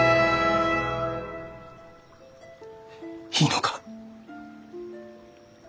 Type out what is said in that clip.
いいのか？